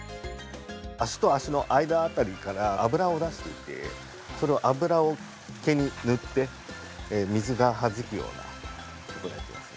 足と足の間辺りから油を出していてその油を毛に塗って水が弾くような事をやってますね。